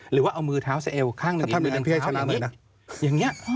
หรือว่าเอามือเท้าเสียเอวข้างหนึ่งหนึ่งเท้าอย่างนี้